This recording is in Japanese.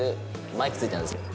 マイクついてるんですけど。